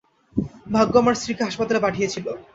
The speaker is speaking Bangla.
ভাগ্য আমার স্ত্রীকে হাসপাতালে পাঠিয়েছিল।